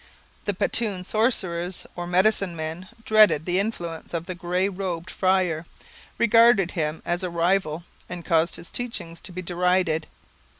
The Petun sorcerers or medicine men dreaded the influence of the grey robed friar, regarded him as a rival, and caused his teachings to be derided.